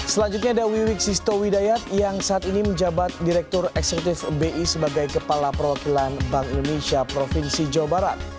selanjutnya ada wiwik sisto widayat yang saat ini menjabat direktur eksekutif bi sebagai kepala perwakilan bank indonesia provinsi jawa barat